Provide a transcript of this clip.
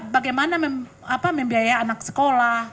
bagaimana membiayai anak sekolah